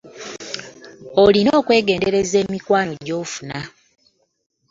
Olina okwegendereza emikwano gy'ofuna.